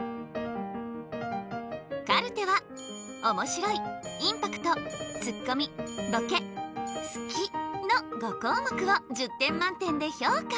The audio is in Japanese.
カルテはおもしろいインパクトツッコミボケ好きの５項目を１０点満点で評価。